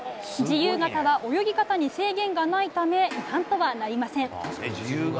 自由形は泳ぎ方に制限がないため違反とはなりません。